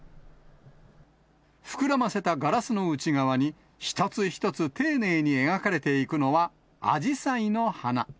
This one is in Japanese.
膨らませたガラスの内側に、一つ一つ丁寧に描かれていくのは、あじさいの花。